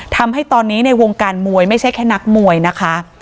ทำให้ตอนนี้ในวงการมวยไม่ใช่แค่นักมวยนะคะ